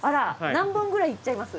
何本くらいいっちゃいます？